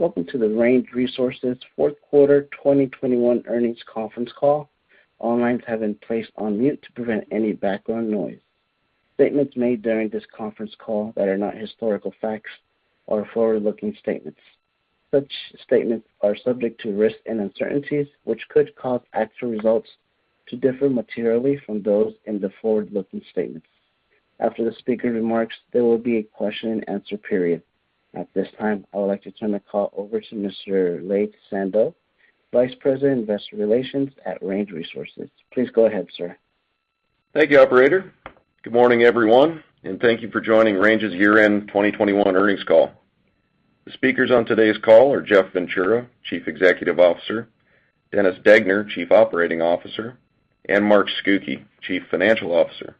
Welcome to the Range Resources Fourth Quarter 2021 Earnings Conference Call. All lines have been placed on mute to prevent any background noise. Statements made during this conference call that are not historical facts are forward-looking statements. Such statements are subject to risks and uncertainties, which could cause actual results to differ materially from those in the forward-looking statements. After the speaker remarks, there will be a question-and-answer period. At this time, I would like to turn the call over to Mr. Laith Sando, Vice President, Investor Relations at Range Resources. Please go ahead, sir. Thank you, operator. Good morning, everyone, and thank you for joining Range's year-end 2021 earnings call. The speakers on today's call are Jeff Ventura, Chief Executive Officer, Dennis Degner, Chief Operating Officer, and Mark S. Scucchi, Chief Financial Officer.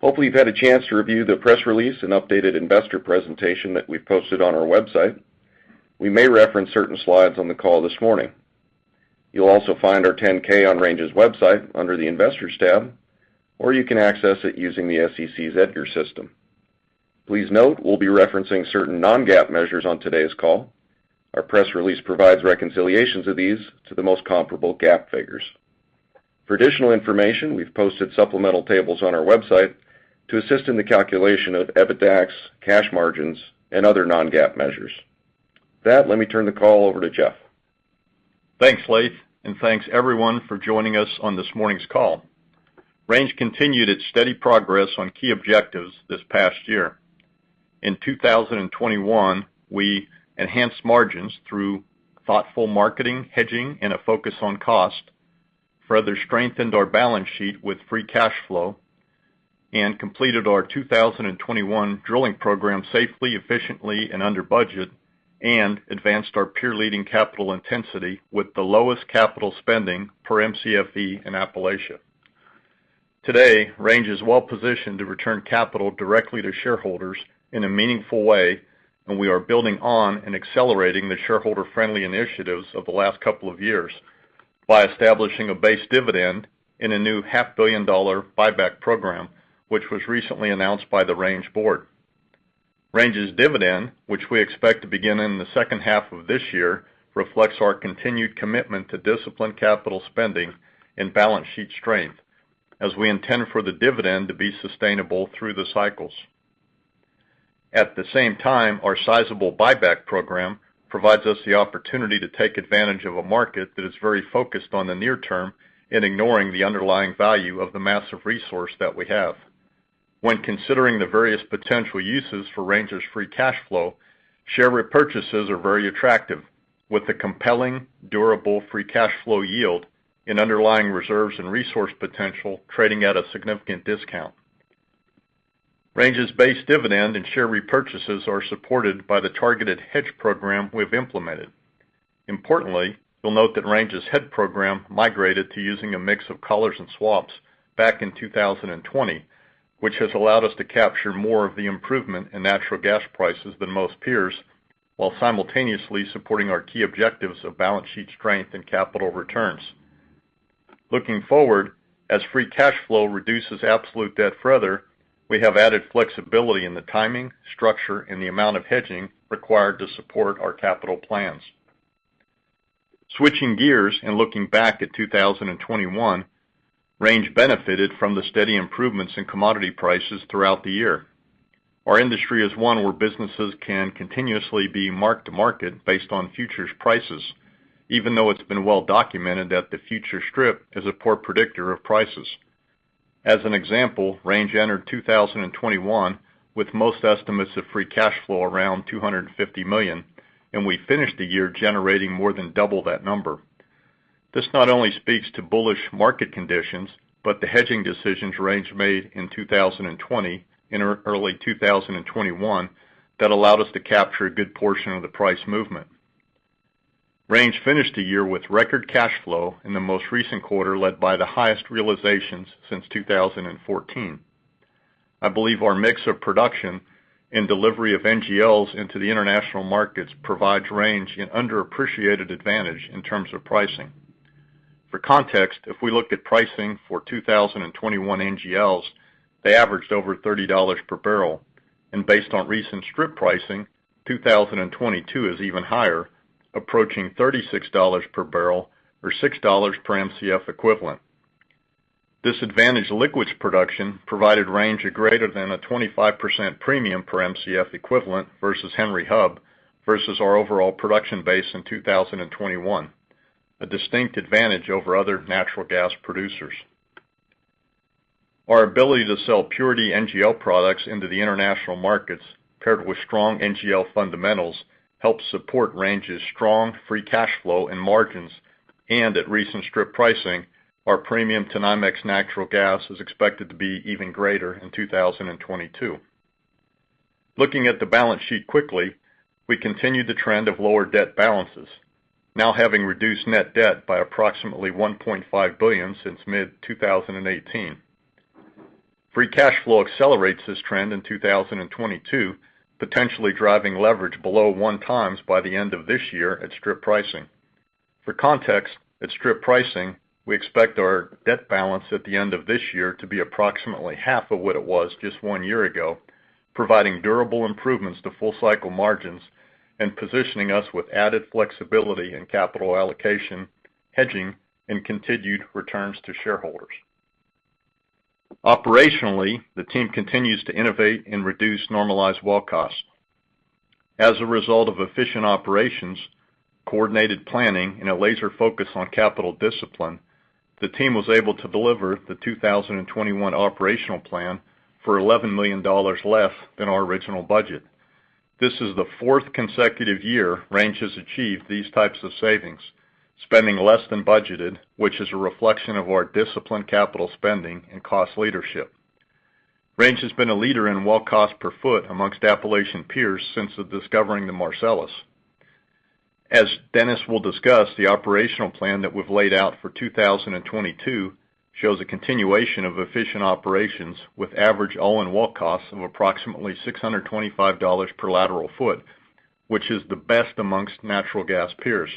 Hopefully, you've had a chance to review the press release and updated investor presentation that we've posted on our website. We may reference certain slides on the call this morning. You'll also find our 10-K on Range's website under the Investors tab, or you can access it using the SEC's EDGAR system. Please note, we'll be referencing certain non-GAAP measures on today's call. Our press release provides reconciliations of these to the most comparable GAAP figures. For additional information, we've posted supplemental tables on our website to assist in the calculation of EBITDAX, cash margins, and other non-GAAP measures. With that, let me turn the call over to Jeff. Thanks, Laith, and thanks, everyone, for joining us on this morning's call. Range continued its steady progress on key objectives this past year. In 2021, we enhanced margins through thoughtful marketing, hedging, and a focus on cost, further strengthened our balance sheet with free cash flow, and completed our 2021 drilling program safely, efficiently, and under budget, and advanced our peer-leading capital intensity with the lowest capital spending per MCFE in Appalachia. Today, Range is well-positioned to return capital directly to shareholders in a meaningful way, and we are building on and accelerating the shareholder-friendly initiatives of the last couple of years by establishing a base dividend in a new $0.5 billion buyback program, which was recently announced by the Range board. Range's dividend, which we expect to begin in the second half of this year, reflects our continued commitment to disciplined capital spending and balance sheet strength, as we intend for the dividend to be sustainable through the cycles. At the same time, our sizable buyback program provides us the opportunity to take advantage of a market that is very focused on the near term and ignoring the underlying value of the massive resource that we have. When considering the various potential uses for Range's free cash flow, share repurchases are very attractive, with a compelling, durable free cash flow yield and underlying reserves and resource potential trading at a significant discount. Range's base dividend and share repurchases are supported by the targeted hedge program we've implemented. Importantly, you'll note that Range's hedge program migrated to using a mix of collars and swaps back in 2020, which has allowed us to capture more of the improvement in natural gas prices than most peers, while simultaneously supporting our key objectives of balance sheet strength and capital returns. Looking forward, as free cash flow reduces absolute debt further, we have added flexibility in the timing, structure, and the amount of hedging required to support our capital plans. Switching gears and looking back at 2021, Range benefited from the steady improvements in commodity prices throughout the year. Our industry is one where businesses can continuously be marked to market based on futures prices, even though it's been well documented that the futures strip is a poor predictor of prices. As an example, Range entered 2021 with most estimates of free cash flow around $250 million, and we finished the year generating more than double that number. This not only speaks to bullish market conditions, but the hedging decisions Range made in 2020 and early 2021 that allowed us to capture a good portion of the price movement. Range finished the year with record cash flow in the most recent quarter led by the highest realizations since 2014. I believe our mix of production and delivery of NGLs into the international markets provides Range an underappreciated advantage in terms of pricing. For context, if we look at pricing for 2021 NGLs, they averaged over $30 per barrel, and based on recent strip pricing, 2022 is even higher, approaching $36 per barrel or $6 per MCF equivalent. This advantage liquids production provided Range a greater than a 25% premium per MCF equivalent versus Henry Hub versus our overall production base in 2021, a distinct advantage over other natural gas producers. Our ability to sell purity NGL products into the international markets paired with strong NGL fundamentals helps support Range's strong free cash flow and margins, and at recent strip pricing, our premium to NYMEX natural gas is expected to be even greater in 2022. Looking at the balance sheet quickly, we continued the trend of lower debt balances, now having reduced net debt by approximately $1.5 billion since mid-2018. Free cash flow accelerates this trend in 2022, potentially driving leverage below 1x by the end of this year at strip pricing. For context, at strip pricing, we expect our debt balance at the end of this year to be approximately half of what it was just 1 year ago, providing durable improvements to full cycle margins and positioning us with added flexibility in capital allocation, hedging, and continued returns to shareholders. Operationally, the team continues to innovate and reduce normalized well costs. As a result of efficient operations, coordinated planning, and a laser focus on capital discipline, the team was able to deliver the 2021 operational plan for $11 million less than our original budget. This is the 4th consecutive year Range has achieved these types of savings, spending less than budgeted, which is a reflection of our disciplined capital spending and cost leadership. Range has been a leader in well cost per foot among Appalachian peers since discovering the Marcellus. As Dennis will discuss, the operational plan that we've laid out for 2022 shows a continuation of efficient operations with average all-in well costs of approximately $625 per lateral foot, which is the best among natural gas peers.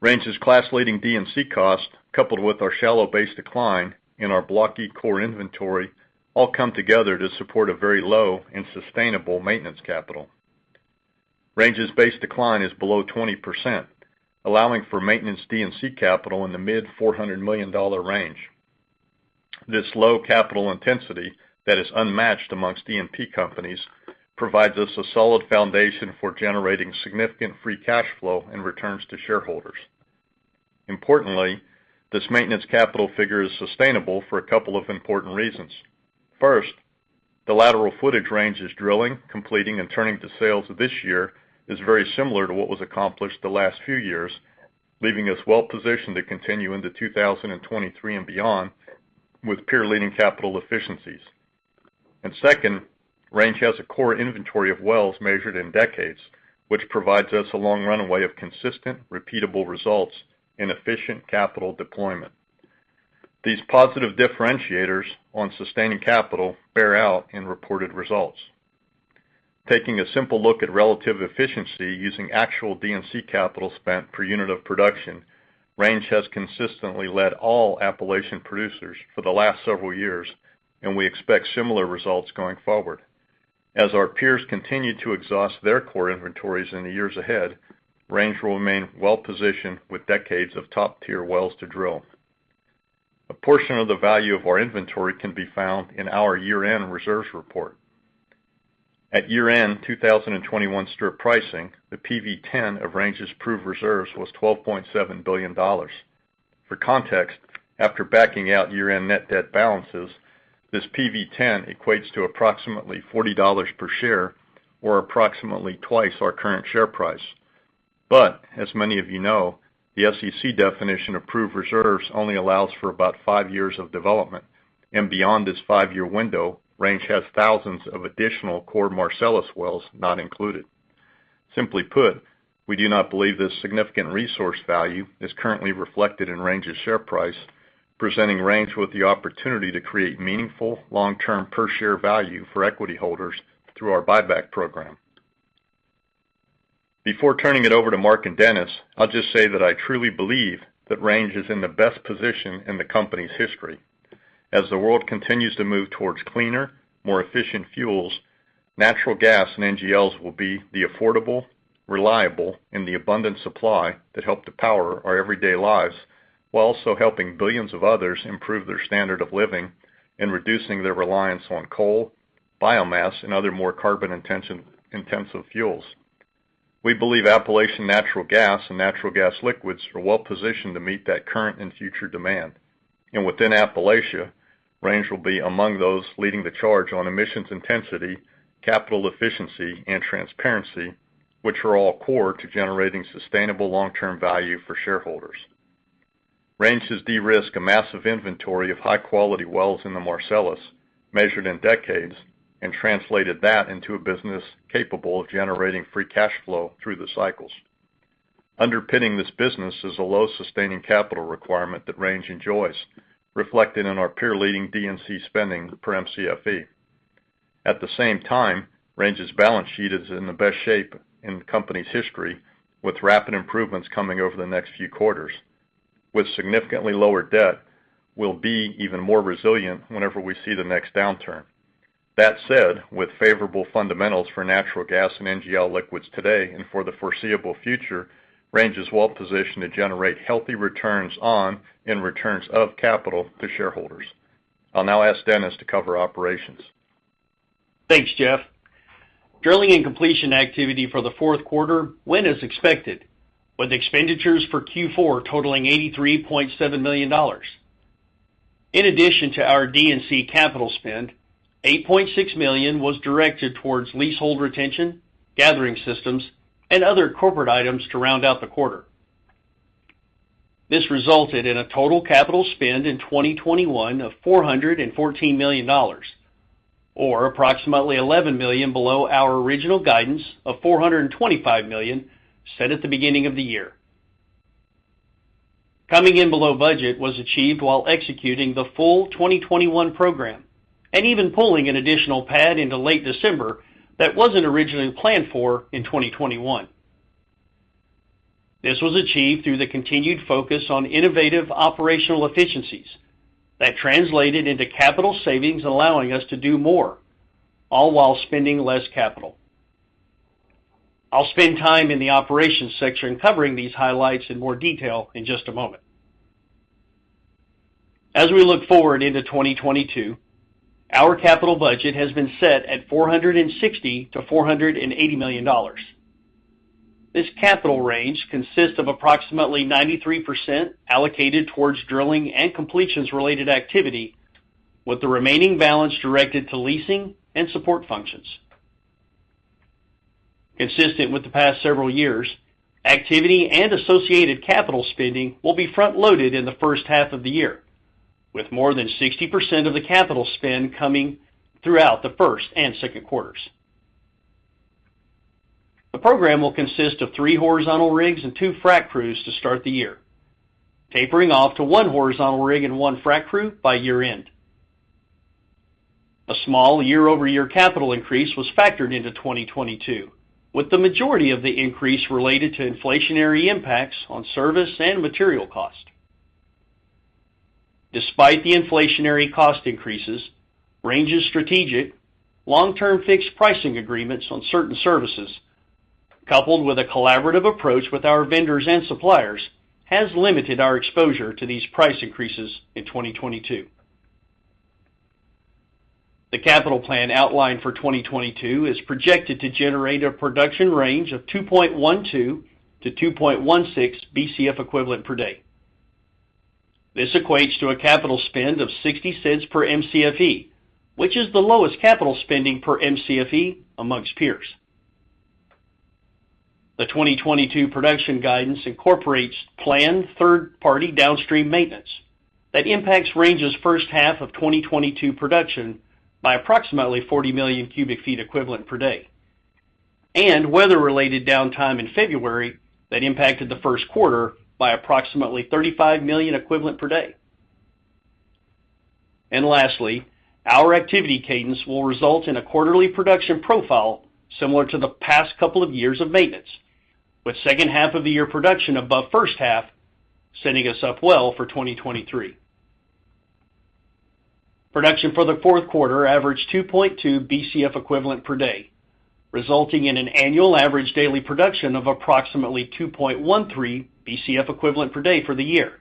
Range's class-leading D&C cost, coupled with our shallow base decline and our block E core inventory, all come together to support a very low and sustainable maintenance capital. Range's base decline is below 20%, allowing for maintenance D&C capital in the mid-$400 million range. This low capital intensity that is unmatched amongst E&P companies provides us a solid foundation for generating significant free cash flow and returns to shareholders. Importantly, this maintenance capital figure is sustainable for a couple of important reasons. First, the lateral footage Range is drilling, completing, and turning to sales this year is very similar to what was accomplished the last few years, leaving us well-positioned to continue into 2023 and beyond with peer-leading capital efficiencies. Second, Range has a core inventory of wells measured in decades, which provides us a long runway of consistent, repeatable results and efficient capital deployment. These positive differentiators on sustaining capital bear out in reported results. Taking a simple look at relative efficiency using actual D&C capital spent per unit of production, Range has consistently led all Appalachian producers for the last several years, and we expect similar results going forward. As our peers continue to exhaust their core inventories in the years ahead, Range will remain well-positioned with decades of top-tier wells to drill. A portion of the value of our inventory can be found in our year-end reserves report. At year-end 2021 strip pricing, the PV-10 of Range's proved reserves was $12.7 billion. For context, after backing out year-end net debt balances, this PV-10 equates to approximately $40 per share or approximately twice our current share price. As many of you know, the SEC definition of proved reserves only allows for about five years of development, and beyond this five-year window, Range has thousands of additional core Marcellus wells not included. Simply put, we do not believe this significant resource value is currently reflected in Range's share price, presenting Range with the opportunity to create meaningful long-term per share value for equity holders through our buyback program. Before turning it over to Mark and Dennis, I'll just say that I truly believe that Range is in the best position in the company's history. As the world continues to move towards cleaner, more efficient fuels, natural gas and NGLs will be the affordable, reliable, and the abundant supply that help to power our everyday lives while also helping billions of others improve their standard of living and reducing their reliance on coal, biomass, and other more carbon-intensive fuels. We believe Appalachian natural gas and natural gas liquids are well positioned to meet that current and future demand. Within Appalachia, Range will be among those leading the charge on emissions intensity, capital efficiency, and transparency, which are all core to generating sustainable long-term value for shareholders. Range has de-risked a massive inventory of high-quality wells in the Marcellus, measured in decades, and translated that into a business capable of generating free cash flow through the cycles. Underpinning this business is a low sustaining capital requirement that Range enjoys, reflected in our peer-leading D&C spending per MCFE. At the same time, Range's balance sheet is in the best shape in the company's history, with rapid improvements coming over the next few quarters. With significantly lower debt, we'll be even more resilient whenever we see the next downturn. That said, with favorable fundamentals for natural gas and NGL liquids today and for the foreseeable future, Range is well-positioned to generate healthy returns on and returns of capital to shareholders. I'll now ask Dennis to cover operations. Thanks, Jeff. Drilling and completion activity for the fourth quarter went as expected, with expenditures for Q4 totaling $83.7 million. In addition to our D&C capital spend, $8.6 million was directed towards leasehold retention, gathering systems, and other corporate items to round out the quarter. This resulted in a total capital spend in 2021 of $414 million or approximately $11 million below our original guidance of $425 million set at the beginning of the year. Coming in below budget was achieved while executing the full 2021 program and even pulling an additional pad into late December that wasn't originally planned for in 2021. This was achieved through the continued focus on innovative operational efficiencies that translated into capital savings, allowing us to do more, all while spending less capital. I'll spend time in the operations section covering these highlights in more detail in just a moment. As we look forward into 2022, our capital budget has been set at $460 million-$480 million. This capital range consists of approximately 93% allocated towards drilling and completions related activity, with the remaining balance directed to leasing and support functions. Consistent with the past several years, activity and associated capital spending will be front loaded in the first half of the year, with more than 60% of the capital spend coming throughout the first and second quarters. The program will consist of 3 horizontal rigs and 2 frack crews to start the year, tapering off to 1 horizontal rig and 1 frack crew by year-end. A small year-over-year capital increase was factored into 2022, with the majority of the increase related to inflationary impacts on service and material cost. Despite the inflationary cost increases, Range's strategic long-term fixed pricing agreements on certain services, coupled with a collaborative approach with our vendors and suppliers, has limited our exposure to these price increases in 2022. The capital plan outlined for 2022 is projected to generate a production range of 2.12-2.16 Bcf equivalent per day. This equates to a capital spend of $0.60 per MCFE, which is the lowest capital spending per MCFE amongst peers. The 2022 production guidance incorporates planned third-party downstream maintenance that impacts Range's first half of 2022 production by approximately 40 million cubic feet equivalent per day and weather-related downtime in February that impacted the first quarter by approximately 35 million cubic feet equivalent per day. Lastly, our activity cadence will result in a quarterly production profile similar to the past couple of years of maintenance, with second half of the year production above first half, setting us up well for 2023. Production for the fourth quarter averaged 2.2 Bcf equivalent per day, resulting in an annual average daily production of approximately 2.13 Bcf equivalent per day for the year,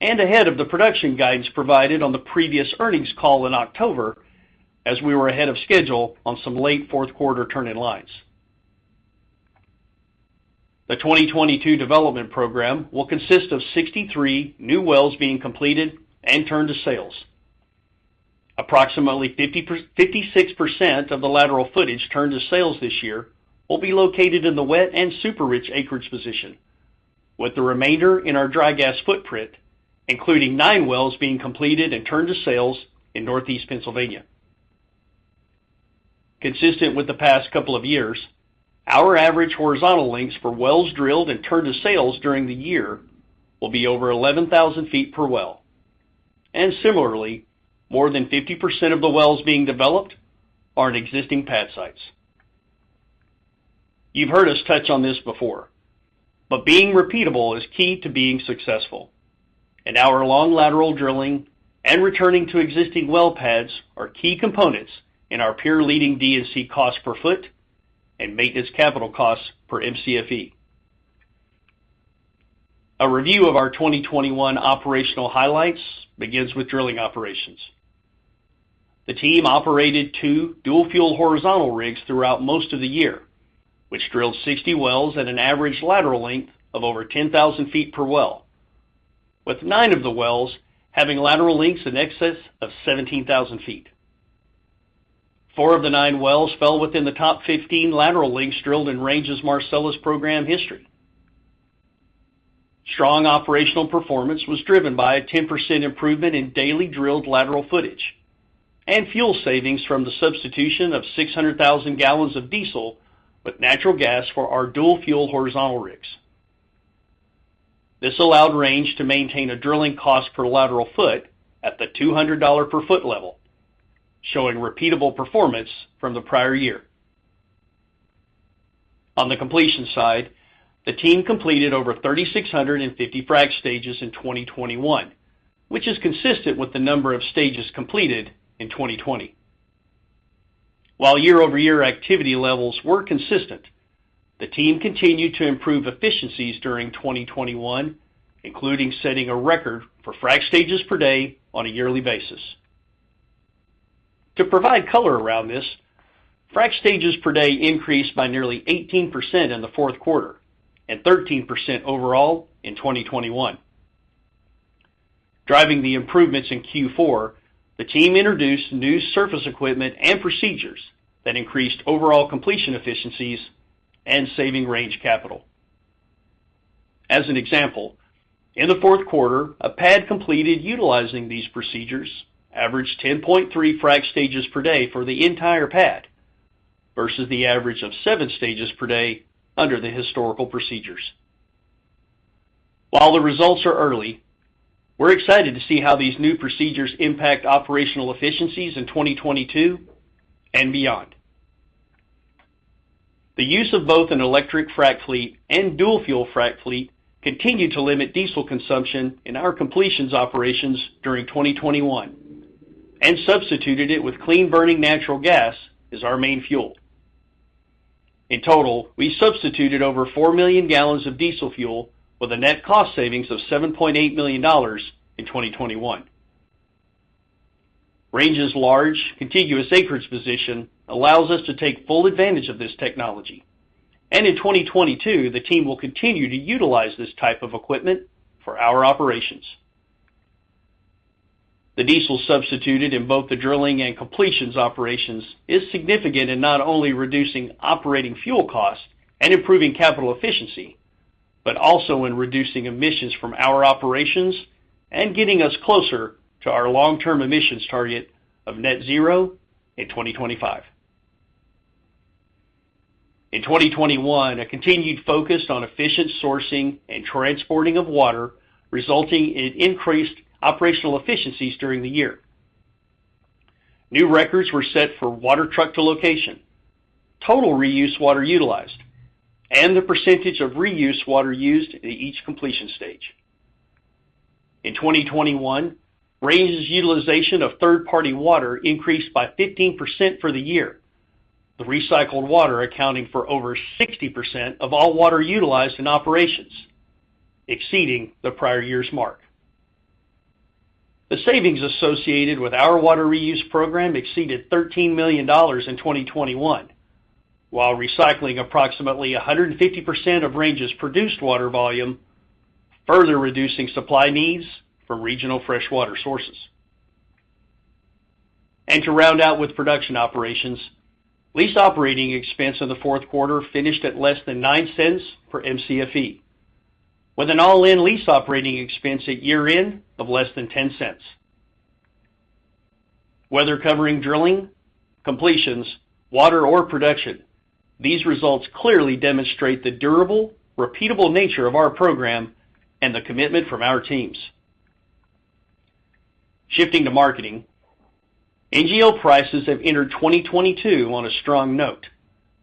and ahead of the production guidance provided on the previous earnings call in October, as we were ahead of schedule on some late fourth quarter turn-in-lines. The 2022 development program will consist of 63 new wells being completed and turned to sales. Approximately 56% of the lateral footage turned to sales this year will be located in the wet and super rich acreage position, with the remainder in our dry gas footprint, including 9 wells being completed and turned to sales in Northeast Pennsylvania. Consistent with the past couple of years, our average horizontal lengths for wells drilled and turned to sales during the year will be over 11,000 feet per well. Similarly, more than 50% of the wells being developed are in existing pad sites. You've heard us touch on this before, but being repeatable is key to being successful. Our long lateral drilling and returning to existing well pads are key components in our peer-leading D&C cost per foot and maintenance capital costs per MCFE. A review of our 2021 operational highlights begins with drilling operations. The team operated two dual fuel horizontal rigs throughout most of the year, which drilled 60 wells at an average lateral length of over 10,000 feet per well, with nine of the wells having lateral lengths in excess of 17,000 feet. Four of the nine wells fell within the top 15 lateral lengths drilled in Range's Marcellus program history. Strong operational performance was driven by a 10% improvement in daily drilled lateral footage and fuel savings from the substitution of 600,000 gallons of diesel with natural gas for our dual fuel horizontal rigs. This allowed Range to maintain a drilling cost per lateral foot at the $200 per foot level, showing repeatable performance from the prior year. On the completion side, the team completed over 3,650 frac stages in 2021, which is consistent with the number of stages completed in 2020. While year-over-year activity levels were consistent, the team continued to improve efficiencies during 2021, including setting a record for frac stages per day on a yearly basis. To provide color around this, frac stages per day increased by nearly 18% in the fourth quarter and 13% overall in 2021. Driving the improvements in Q4, the team introduced new surface equipment and procedures that increased overall completion efficiencies and saving Range capital. As an example, in the fourth quarter, a pad completed utilizing these procedures averaged 10.3 frac stages per day for the entire pad versus the average of 7 stages per day under the historical procedures. While the results are early, we're excited to see how these new procedures impact operational efficiencies in 2022 and beyond. The use of both an electric frac fleet and dual fuel frac fleet continued to limit diesel consumption in our completions operations during 2021, and substituted it with clean-burning natural gas as our main fuel. In total, we substituted over 4 million gallons of diesel fuel with a net cost savings of $7.8 million in 2021. Range's large, contiguous acreage position allows us to take full advantage of this technology. In 2022, the team will continue to utilize this type of equipment for our operations. The diesel substituted in both the drilling and completions operations is significant in not only reducing operating fuel costs and improving capital efficiency, but also in reducing emissions from our operations and getting us closer to our long-term emissions target of net zero in 2025. In 2021, a continued focus on efficient sourcing and transporting of water, resulting in increased operational efficiencies during the year. New records were set for water truck to location, total reuse water utilized, and the percentage of reuse water used in each completion stage. In 2021, Range's utilization of third-party water increased by 15% for the year, the recycled water accounting for over 60% of all water utilized in operations, exceeding the prior year's mark. The savings associated with our water reuse program exceeded $13 million in 2021, while recycling approximately 150% of Range's produced water volume, further reducing supply needs for regional freshwater sources. To round out with production operations, lease operating expense in the fourth quarter finished at less than $0.09 per Mcfe, with an all-in lease operating expense at year-end of less than $0.10. Whether covering drilling, completions, water, or production, these results clearly demonstrate the durable, repeatable nature of our program and the commitment from our teams. Shifting to marketing, NGL prices have entered 2022 on a strong note,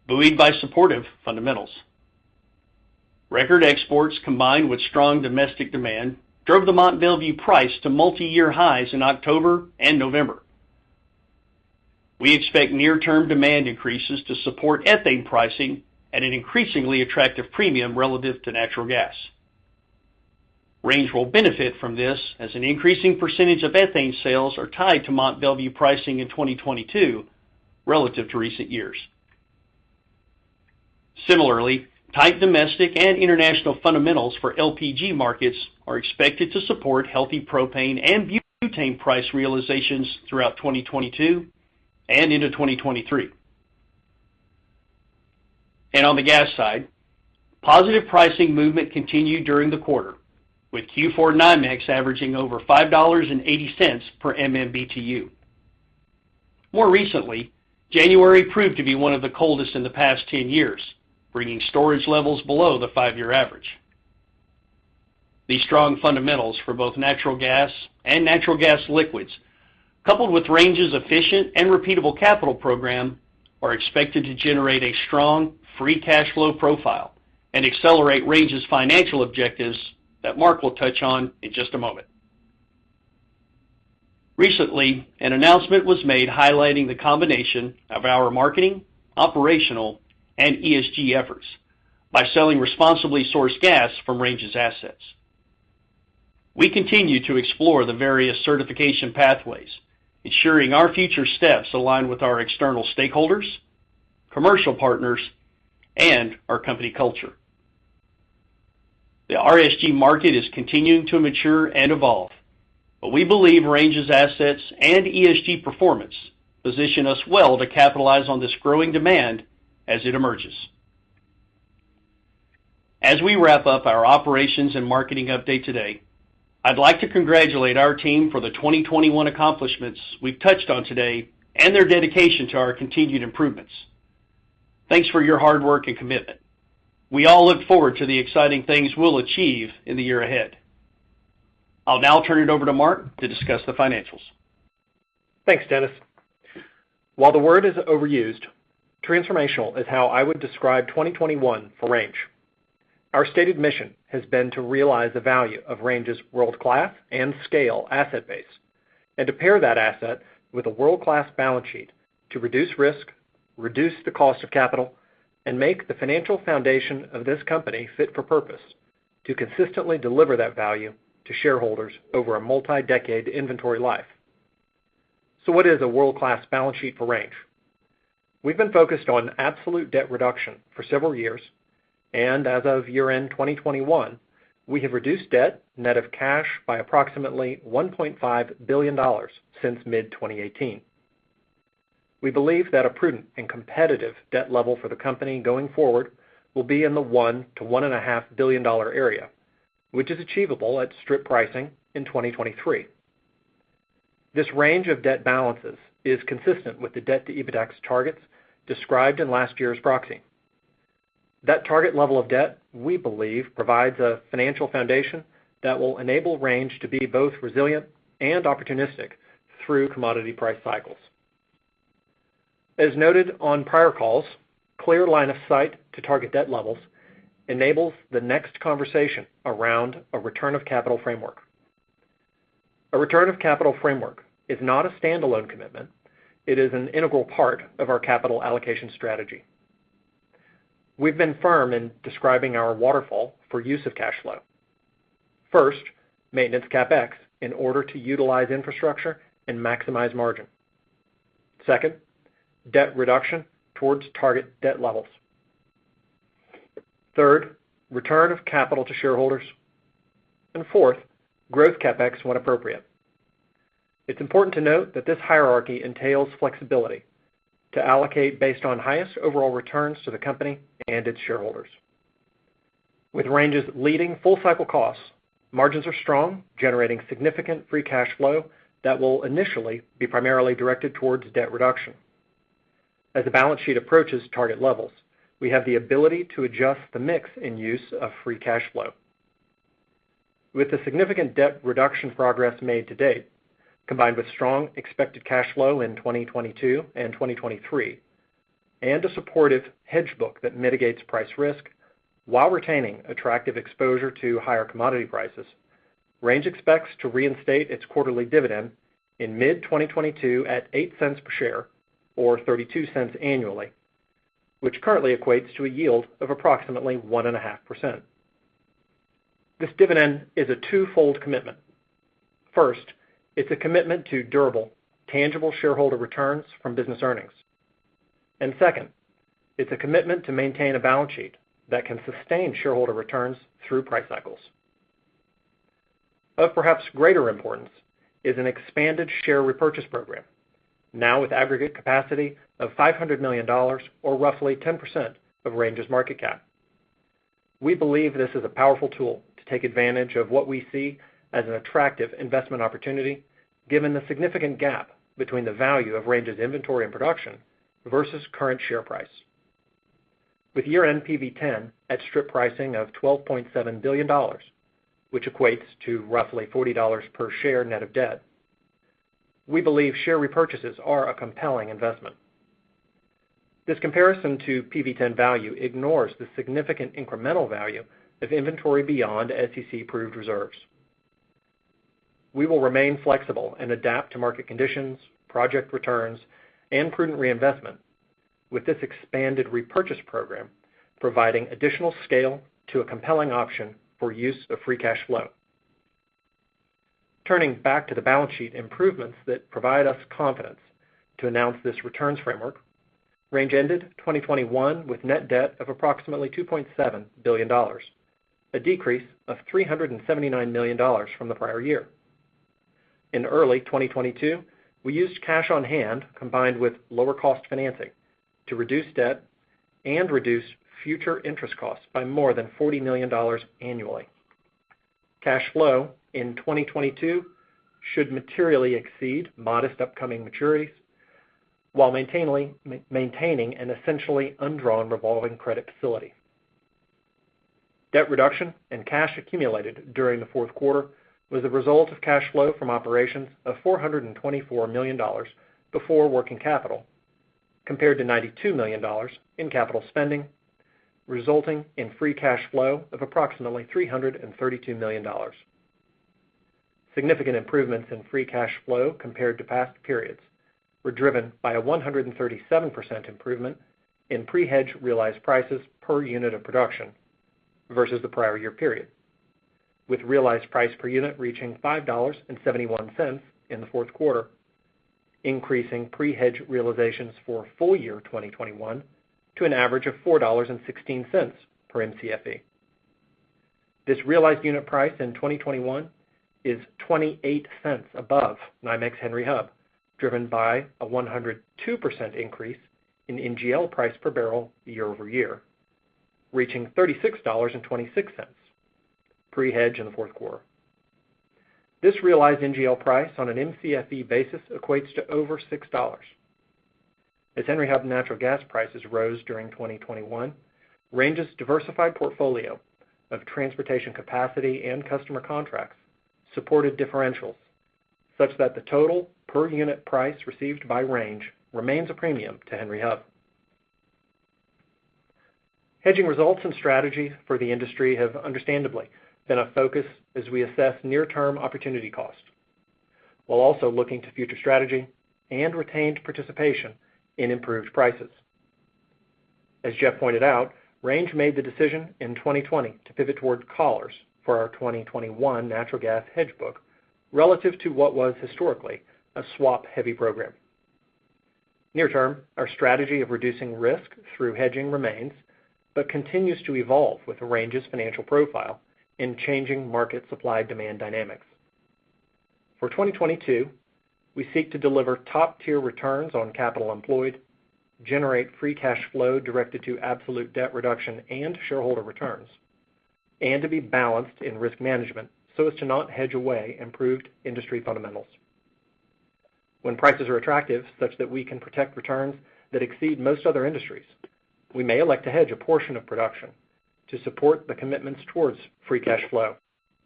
buoyed by supportive fundamentals. Record exports combined with strong domestic demand drove the Mont Belvieu price to multiyear highs in October and November. We expect near-term demand increases to support ethane pricing at an increasingly attractive premium relative to natural gas. Range will benefit from this as an increasing percentage of ethane sales are tied to Mont Belvieu pricing in 2022 relative to recent years. Similarly, tight domestic and international fundamentals for LPG markets are expected to support healthy propane and butane price realizations throughout 2022 and into 2023. On the gas side, positive pricing movement continued during the quarter, with Q4 NYMEX averaging over $5.80 per MMBtu. More recently, January proved to be one of the coldest in the past 10 years, bringing storage levels below the five-year average. These strong fundamentals for both natural gas and natural gas liquids, coupled with Range's efficient and repeatable capital program, are expected to generate a strong free cash flow profile and accelerate Range's financial objectives that Mark will touch on in just a moment. Recently, an announcement was made highlighting the combination of our marketing, operational, and ESG efforts by selling responsibly sourced gas from Range's assets. We continue to explore the various certification pathways, ensuring our future steps align with our external stakeholders, commercial partners, and our company culture. The RSG market is continuing to mature and evolve, but we believe Range's assets and ESG performance position us well to capitalize on this growing demand as it emerges. As we wrap up our operations and marketing update today, I'd like to congratulate our team for the 2021 accomplishments we've touched on today and their dedication to our continued improvements. Thanks for your hard work and commitment. We all look forward to the exciting things we'll achieve in the year ahead. I'll now turn it over to Mark to discuss the financials. Thanks, Dennis. While the word is overused, transformational is how I would describe 2021 for Range. Our stated mission has been to realize the value of Range's world-class and scale asset base and to pair that asset with a world-class balance sheet to reduce risk, reduce the cost of capital, and make the financial foundation of this company fit for purpose to consistently deliver that value to shareholders over a multi-decade inventory life. What is a world-class balance sheet for Range? We've been focused on absolute debt reduction for several years, and as of year-end 2021, we have reduced debt net of cash by approximately $1.5 billion since mid-2018. We believe that a prudent and competitive debt level for the company going forward will be in the $1 billion-$1.5 billion area, which is achievable at strip pricing in 2023. This range of debt balances is consistent with the debt-to-EBITDAX targets described in last year's proxy. That target level of debt, we believe, provides a financial foundation that will enable Range to be both resilient and opportunistic through commodity price cycles. As noted on prior calls, clear line of sight to target debt levels enables the next conversation around a return of capital framework. A return of capital framework is not a standalone commitment, it is an integral part of our capital allocation strategy. We've been firm in describing our waterfall for use of cash flow. First, maintenance CapEx in order to utilize infrastructure and maximize margin. Second, debt reduction towards target debt levels. Third, return of capital to shareholders. Fourth, growth CapEx when appropriate. It's important to note that this hierarchy entails flexibility to allocate based on highest overall returns to the company and its shareholders. With Range's leading full-cycle costs, margins are strong, generating significant free cash flow that will initially be primarily directed towards debt reduction. As the balance sheet approaches target levels, we have the ability to adjust the mix in use of free cash flow. With the significant debt reduction progress made to date, combined with strong expected cash flow in 2022 and 2023, and a supportive hedge book that mitigates price risk while retaining attractive exposure to higher commodity prices, Range expects to reinstate its quarterly dividend in mid-2022 at $0.08 per share or $0.32 annually, which currently equates to a yield of approximately 1.5%. This dividend is a twofold commitment. First, it's a commitment to durable, tangible shareholder returns from business earnings. Second, it's a commitment to maintain a balance sheet that can sustain shareholder returns through price cycles. Of perhaps greater importance is an expanded share repurchase program, now with aggregate capacity of $500 million or roughly 10% of Range's market cap. We believe this is a powerful tool to take advantage of what we see as an attractive investment opportunity, given the significant gap between the value of Range's inventory and production versus current share price. With year-end PV-10 at strip pricing of $12.7 billion, which equates to roughly $40 per share net of debt, we believe share repurchases are a compelling investment. This comparison to PV-10 value ignores the significant incremental value of inventory beyond SEC proved reserves. We will remain flexible and adapt to market conditions, project returns, and prudent reinvestment with this expanded repurchase program providing additional scale to a compelling option for use of free cash flow. Turning back to the balance sheet improvements that provide us confidence to announce this returns framework, Range ended 2021 with net debt of approximately $2.7 billion, a decrease of $379 million from the prior year. In early 2022, we used cash on hand combined with lower cost financing to reduce debt and reduce future interest costs by more than $40 million annually. Cash flow in 2022 should materially exceed modest upcoming maturities while maintaining an essentially undrawn revolving credit facility. Debt reduction and cash accumulated during the fourth quarter was a result of cash flow from operations of $424 million before working capital, compared to $92 million in capital spending, resulting in free cash flow of approximately $332 million. Significant improvements in free cash flow compared to past periods were driven by a 137% improvement in pre-hedge realized prices per unit of production versus the prior year period, with realized price per unit reaching $5.71 in the fourth quarter, increasing pre-hedge realizations for full year 2021 to an average of $4.16 per Mcfe. This realized unit price in 2021 is 28 cents above NYMEX Henry Hub, driven by a 102% increase in NGL price per barrel year-over-year, reaching $36.26 pre-hedge in the fourth quarter. This realized NGL price on an MCFE basis equates to over $6. As Henry Hub natural gas prices rose during 2021, Range's diversified portfolio of transportation capacity and customer contracts supported differentials such that the total per unit price received by Range remains a premium to Henry Hub. Hedging results and strategy for the industry have understandably been a focus as we assess near-term opportunity costs, while also looking to future strategy and retained participation in improved prices. As Jeff pointed out, Range made the decision in 2020 to pivot towards collars for our 2021 natural gas hedge book relative to what was historically a swap-heavy program. Near term, our strategy of reducing risk through hedging remains, but continues to evolve with Range's financial profile in changing market supply demand dynamics. For 2022, we seek to deliver top-tier returns on capital employed, generate free cash flow directed to absolute debt reduction and shareholder returns. To be balanced in risk management so as to not hedge away improved industry fundamentals. When prices are attractive such that we can protect returns that exceed most other industries, we may elect to hedge a portion of production to support the commitments towards free cash flow,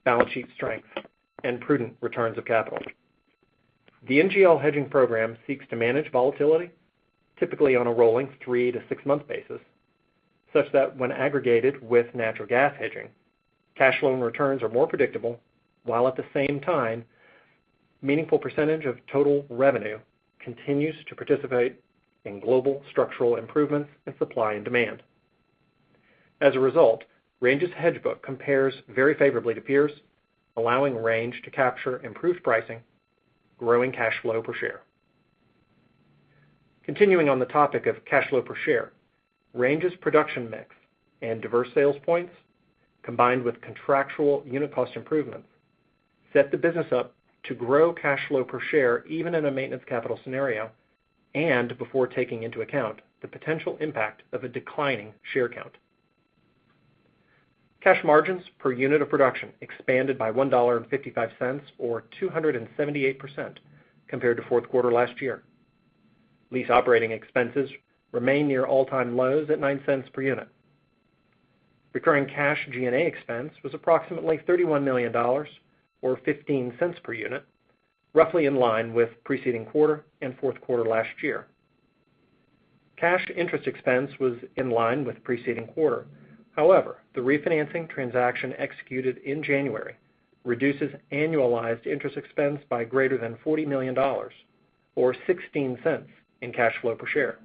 balance sheet strength, and prudent returns of capital. The NGL hedging program seeks to manage volatility, typically on a rolling 3- to 6-month basis, such that when aggregated with natural gas hedging, cash flow and returns are more predictable, while at the same time, meaningful percentage of total revenue continues to participate in global structural improvements in supply and demand. As a result, Range's hedge book compares very favorably to peers, allowing Range to capture improved pricing, growing cash flow per share. Continuing on the topic of cash flow per share, Range's production mix and diverse sales points, combined with contractual unit cost improvements, set the business up to grow cash flow per share even in a maintenance capital scenario, and before taking into account the potential impact of a declining share count. Cash margins per unit of production expanded by $1.55, or 278% compared to fourth quarter last year. Lease operating expenses remain near all-time lows at $0.09 per unit. Recurring cash G&A expense was approximately $31 million, or $0.15 per unit, roughly in line with preceding quarter and fourth quarter last year. Cash interest expense was in line with preceding quarter. However, the refinancing transaction executed in January reduces annualized interest expense by greater than $40 million or $0.16 in cash flow per share.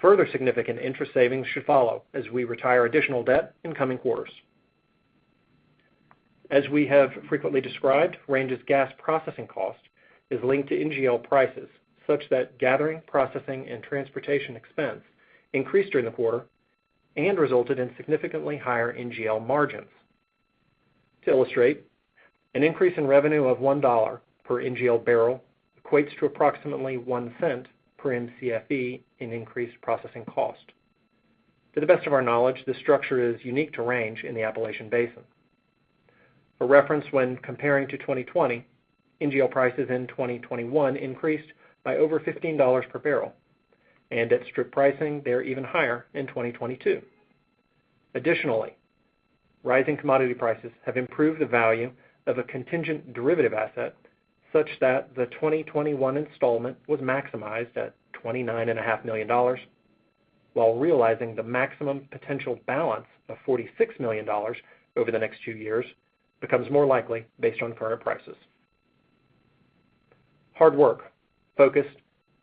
Further significant interest savings should follow as we retire additional debt in coming quarters. As we have frequently described, Range's gas processing cost is linked to NGL prices such that gathering, processing, and transportation expense increased during the quarter and resulted in significantly higher NGL margins. To illustrate, an increase in revenue of $1 per NGL barrel equates to approximately $0.01 per MCFE in increased processing cost. To the best of our knowledge, this structure is unique to Range in the Appalachian Basin. For reference when comparing to 2020, NGL prices in 2021 increased by over $15 per barrel, and at strip pricing, they are even higher in 2022. Additionally, rising commodity prices have improved the value of a contingent derivative asset such that the 2021 installment was maximized at $29.5 million, while realizing the maximum potential balance of $46 million over the next two years becomes more likely based on current prices. Hard work, focus,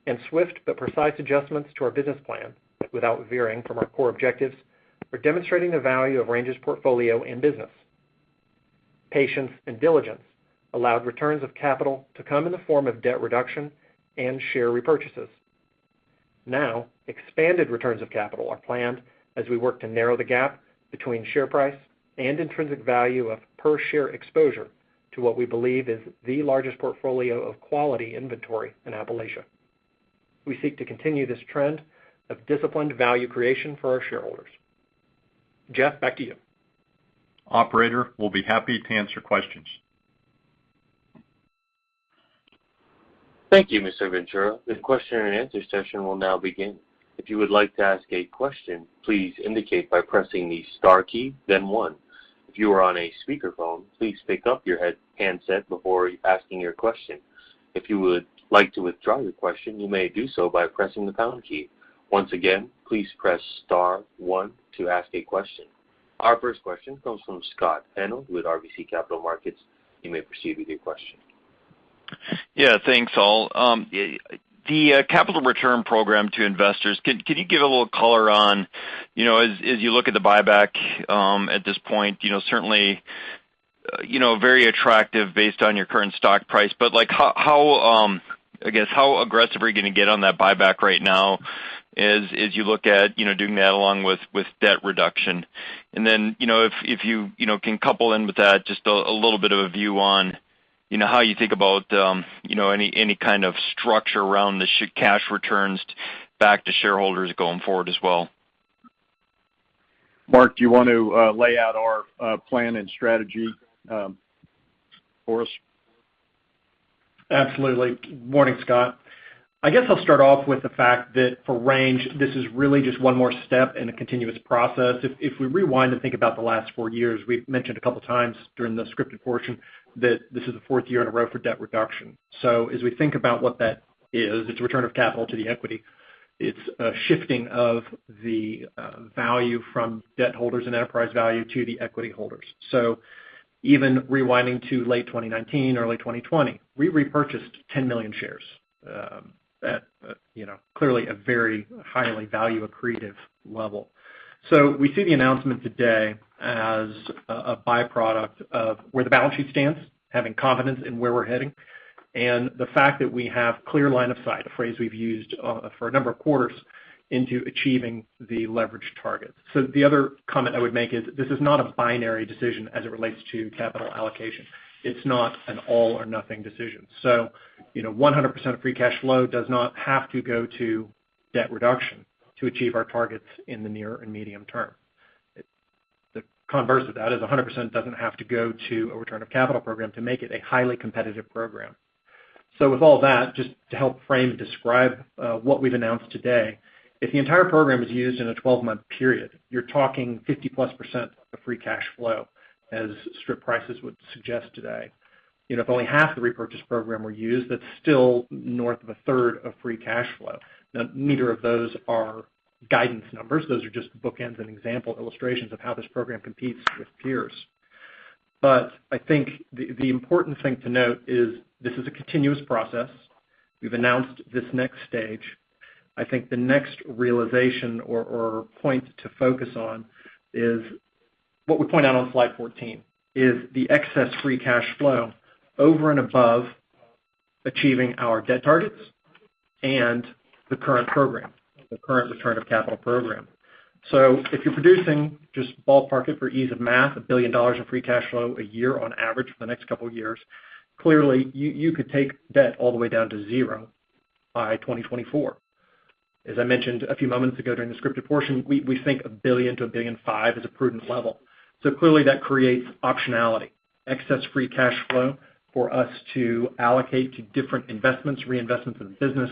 and swift but precise adjustments to our business plan without veering from our core objectives are demonstrating the value of Range's portfolio and business. Patience and diligence allowed returns of capital to come in the form of debt reduction and share repurchases. Now, expanded returns of capital are planned as we work to narrow the gap between share price and intrinsic value of per share exposure to what we believe is the largest portfolio of quality inventory in Appalachia. We seek to continue this trend of disciplined value creation for our shareholders. Jeff, back to you. Operator, we'll be happy to answer questions. Thank you, Mr. Ventura. The question and answer session will now begin. If you would like to ask a question, please indicate by pressing the star key, then one. If you are on a speakerphone, please pick up your handset before asking your question. If you would like to withdraw your question, you may do so by pressing the pound key. Once again, please press star one to ask a question. Our first question comes from Scott Hanold with RBC Capital Markets. You may proceed with your question. Yeah, thanks, all. The capital return program to investors, can you give a little color on, you know, as you look at the buyback at this point? You know, certainly, you know, very attractive based on your current stock price. Like how, I guess, how aggressive are you gonna get on that buyback right now as you look at, you know, doing that along with debt reduction? You know, if you can couple in with that just a little bit of a view on, you know, how you think about, you know, any kind of structure around the cash returns back to shareholders going forward as well. Mark, do you want to lay out our plan and strategy for us? Absolutely. Morning, Scott. I guess I'll start off with the fact that for Range, this is really just one more step in a continuous process. If we rewind and think about the last four years, we've mentioned a couple times during the scripted portion that this is the fourth year in a row for debt reduction. As we think about what that is, it's a return of capital to the equity. It's a shifting of the value from debt holders and enterprise value to the equity holders. Even rewinding to late 2019, early 2020, we repurchased 10 million shares, at you know, clearly a very highly value accretive level. We see the announcement today as a byproduct of where the balance sheet stands, having confidence in where we're heading, and the fact that we have clear line of sight, a phrase we've used, for a number of quarters into achieving the leverage targets. The other comment I would make is this is not a binary decision as it relates to capital allocation. It's not an all or nothing decision. You know, 100% of free cash flow does not have to go to debt reduction to achieve our targets in the near and medium term. The converse of that is 100% doesn't have to go to a return of capital program to make it a highly competitive program. With all that, just to help frame and describe what we've announced today, if the entire program is used in a 12-month period, you're talking 50%+ of free cash flow as strip prices would suggest today. You know, if only half the repurchase program were used, that's still north of a third of free cash flow. Now, neither of those are guidance numbers. Those are just bookends and example illustrations of how this program competes with peers. I think the important thing to note is this is a continuous process. We've announced this next stage. I think the next realization or point to focus on is what we point out on slide 14, is the excess free cash flow over and above achieving our debt targets and the current program, the current return of capital program. If you're producing, just ballpark it for ease of math, $1 billion of free cash flow a year on average for the next couple of years, clearly you could take debt all the way down to zero by 2024. As I mentioned a few moments ago during the scripted portion, we think $1 billion-$1.5 billion is a prudent level. Clearly, that creates optionality, excess free cash flow for us to allocate to different investments, reinvestments in the business,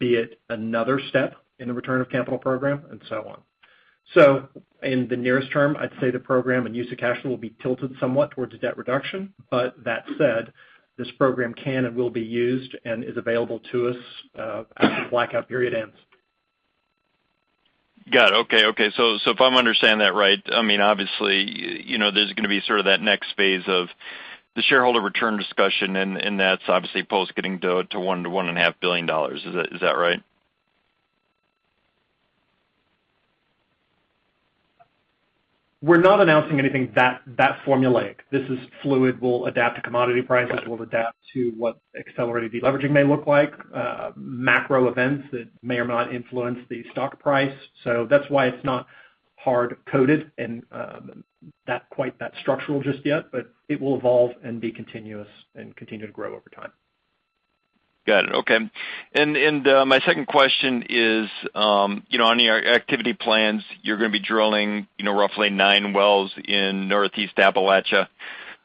be it another step in the return of capital program and so on. In the nearest term, I'd say the program and use of cash will be tilted somewhat towards a debt reduction. That said, this program can and will be used and is available to us after the blackout period ends. Got it. Okay. If I'm understanding that right, I mean, obviously, you know, there's gonna be sort of that next phase of the shareholder return discussion, and that's obviously post getting debt to $1 billion-$1.5 billion. Is that right? We're not announcing anything that formulaic. This is fluid. We'll adapt to commodity prices. We'll adapt to what accelerated deleveraging may look like, macro events that may or may not influence the stock price. That's why it's not hard coded and not quite that structural just yet, but it will evolve and be continuous and continue to grow over time. Got it. Okay. My second question is, you know, on your activity plans, you're gonna be drilling, you know, roughly nine wells in Northeast Appalachia.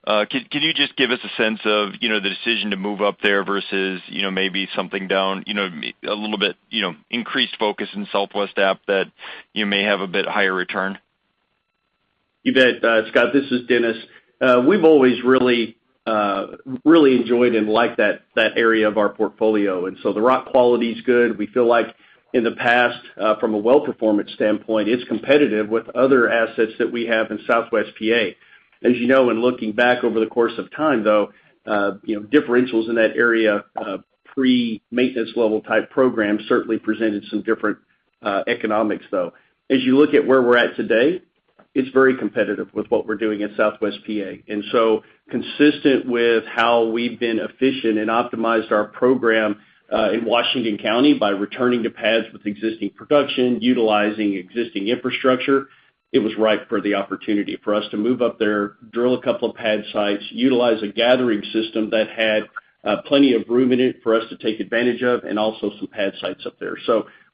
Can you just give us a sense of, you know, the decision to move up there versus, you know, maybe something down a little bit, you know, increased focus in Southwest App that you may have a bit higher return? You bet. Scott, this is Dennis. We've always really enjoyed and liked that area of our portfolio. The rock quality is good. We feel like in the past, from a well performance standpoint, it's competitive with other assets that we have in Southwest Pa. As you know, and looking back over the course of time, though, you know, differentials in that area, pre-maintenance level type program certainly presented some different economics, though. As you look at where we're at today, it's very competitive with what we're doing at Southwest Pa. Consistent with how we've been efficient and optimized our program in Washington County by returning to pads with existing production, utilizing existing infrastructure, it was ripe for the opportunity for us to move up there, drill a couple of pad sites, utilize a gathering system that had plenty of room in it for us to take advantage of, and also some pad sites up there.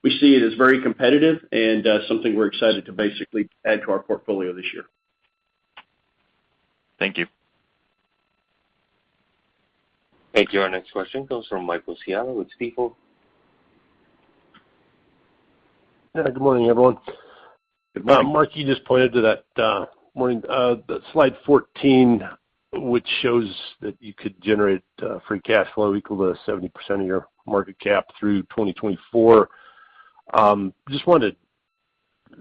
We see it as very competitive and something we're excited to basically add to our portfolio this year. Thank you. Thank you. Our next question comes from Neal Dingmann with People. Yeah. Good morning, everyone. Good morning. Mark, you just pointed to that slide 14, which shows that you could generate free cash flow equal to 70% of your market cap through 2024. Just wanted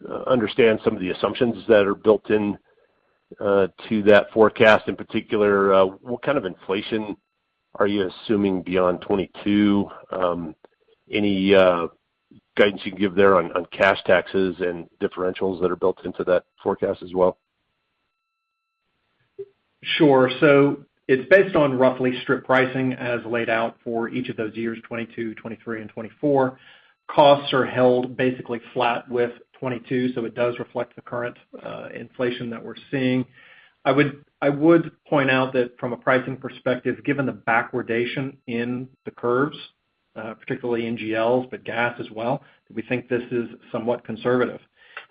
to understand some of the assumptions that are built in to that forecast. In particular, what kind of inflation are you assuming beyond 2022? Any guidance you can give there on cash taxes and differentials that are built into that forecast as well? Sure. It's based on roughly strip pricing as laid out for each of those years, 2022, 2023 and 2024. Costs are held basically flat with 2022, so it does reflect the current inflation that we're seeing. I would point out that from a pricing perspective, given the backwardation in the curves, particularly NGLs, but gas as well, we think this is somewhat conservative.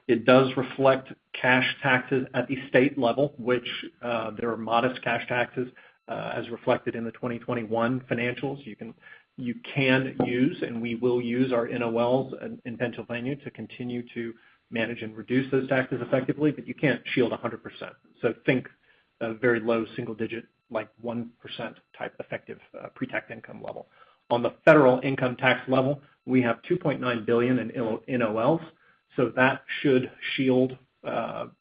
It does reflect cash taxes at the state level, which there are modest cash taxes as reflected in the 2021 financials. You can use, and we will use our NOLs in Pennsylvania to continue to manage and reduce those taxes effectively, but you can't shield 100%. Think a very low single digit, like 1% type effective pre-tax income level. On the federal income tax level, we have $2.9 billion in NOLs, so that should shield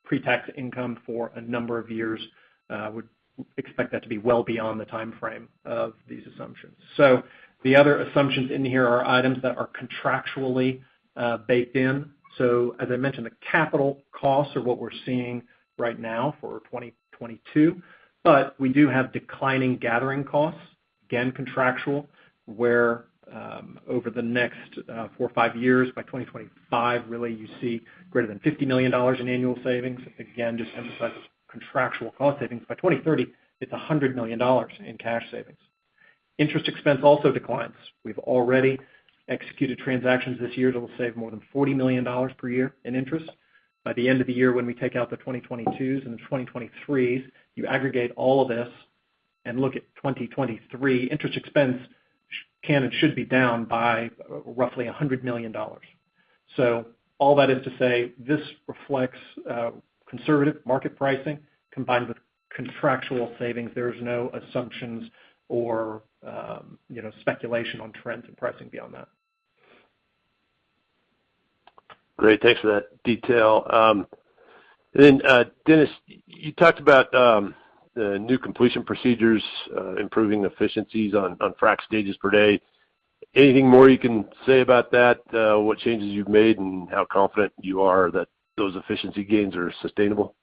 pre-tax income for a number of years. Would expect that to be well beyond the timeframe of these assumptions. The other assumptions in here are items that are contractually baked in. As I mentioned, the capital costs are what we're seeing right now for 2022, but we do have declining gathering costs, again, contractual, where over the next four or five years, by 2025, really, you see greater than $50 million in annual savings. Again, just emphasize contractual cost savings. By 2030, it's $100 million in cash savings. Interest expense also declines. We've already executed transactions this year that will save more than $40 million per year in interest. By the end of the year, when we take out the 2022s and the 2023s, you aggregate all of this and look at 2023, interest expense can and should be down by roughly $100 million. All that is to say this reflects conservative market pricing combined with contractual savings. There's no assumptions or, you know, speculation on trends and pricing beyond that. Great. Thanks for that detail. Dennis, you talked about the new completion procedures, improving efficiencies on frack stages per day. Anything more you can say about that, what changes you've made and how confident you are that those efficiency gains are sustainable?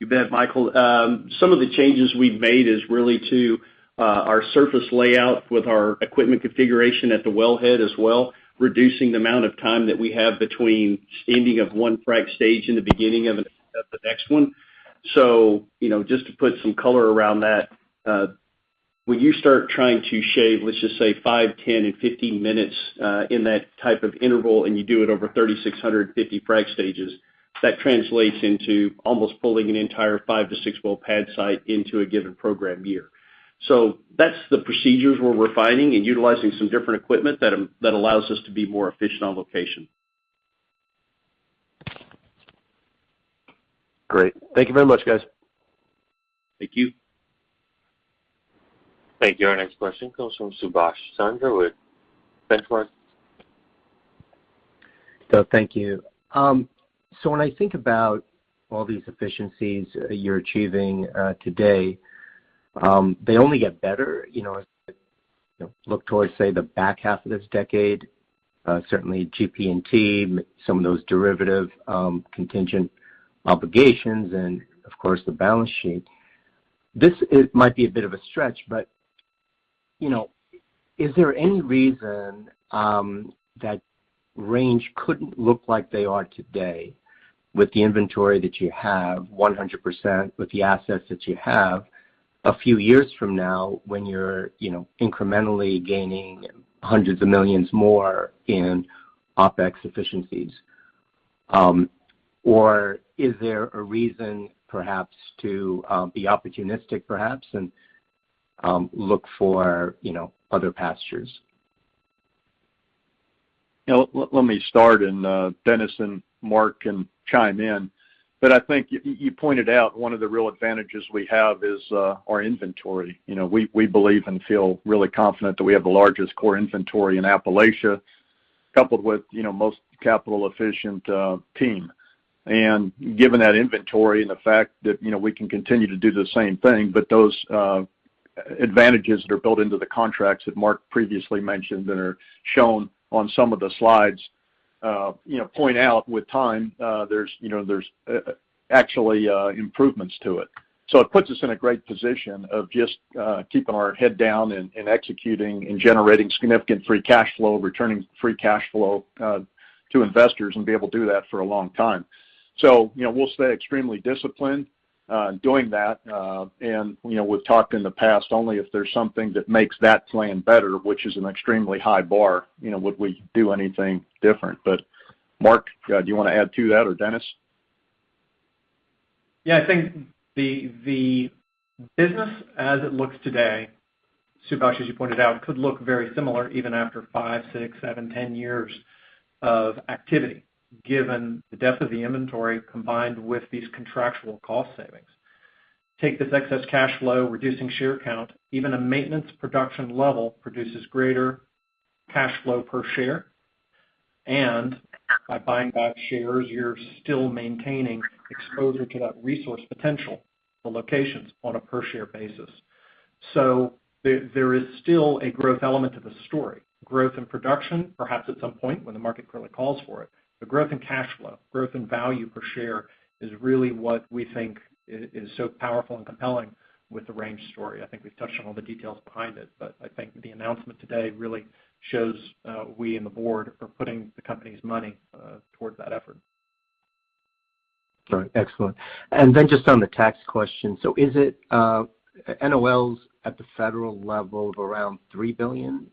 You bet, Michael. Some of the changes we've made is really to our surface layout with our equipment configuration at the wellhead as well, reducing the amount of time that we have between standing of one frack stage in the beginning of the next one. You know, just to put some color around that, when you start trying to shave, let's just say, 5, 10, and 15 minutes in that type of interval, and you do it over 3,650 frack stages, that translates into almost pulling an entire 5-6 well pad site into a given program year. That's the procedures where we're finding and utilizing some different equipment that allows us to be more efficient on location. Great. Thank you very much, guys. Thank you. Thank you. Our next question comes from Subash Chandra with Benchmark. Thank you. When I think about all these efficiencies you're achieving today, they only get better, you know, look towards, say, the back half of this decade, certainly GP&T, some of those derivative contingent obligations and of course, the balance sheet. This might be a bit of a stretch, but, you know, is there any reason that Range couldn't look like they are today with the inventory that you have 100% with the assets that you have a few years from now when you're, you know, incrementally gaining hundreds of millions more in OpEx efficiencies? Or is there a reason perhaps to be opportunistic perhaps and look for, you know, other pastures? You know, let me start and Dennis and Mark can chime in. I think you pointed out one of the real advantages we have is our inventory. You know, we believe and feel really confident that we have the largest core inventory in Appalachia, coupled with, you know, most capital efficient team. Given that inventory and the fact that, you know, we can continue to do the same thing, but those advantages that are built into the contracts that Mark previously mentioned and are shown on some of the slides, you know, point out with time, there's, you know, actually improvements to it. It puts us in a great position of just keeping our head down and executing and generating significant free cash flow, returning free cash flow to investors and be able to do that for a long time. You know, we'll stay extremely disciplined doing that. You know, we've talked in the past, only if there's something that makes that plan better, which is an extremely high bar, you know, would we do anything different. Mark, do you wanna add to that, or Dennis? Yeah, I think the business as it looks today, Subhash, as you pointed out, could look very similar even after 5, 6, 7, 10 years of activity, given the depth of the inventory combined with these contractual cost savings. Take this excess cash flow, reducing share count, even a maintenance production level produces greater cash flow per share. By buying back shares, you're still maintaining exposure to that resource potential for locations on a per share basis. There is still a growth element to the story. Growth in production, perhaps at some point when the market really calls for it. The growth in cash flow, growth in value per share is really what we think is so powerful and compelling with the Range story. I think we've touched on all the details behind it, but I think the announcement today really shows we and the board are putting the company's money towards that effort. All right, excellent. Just on the tax question. Is it NOLs at the federal level of around $3 billion?